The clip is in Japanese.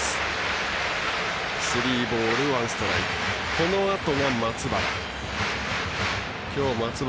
このあとが松原。